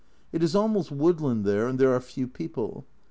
It is almost woodland there, and there are few people.